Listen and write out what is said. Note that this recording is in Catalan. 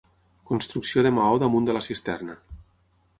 Construcció de maó damunt de la cisterna.